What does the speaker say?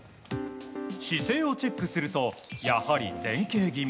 姿勢をチェックするとやはり前傾気味。